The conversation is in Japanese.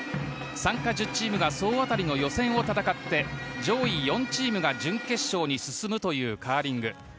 参加１０チームが総当たりの予選を戦って上位４チームが準決勝に進むというカーリング。